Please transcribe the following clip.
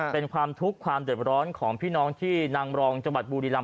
เป็นความทุกข์ความเด็ดร้อนของพี่น้องที่นางรองจังหวัดบุรีรำ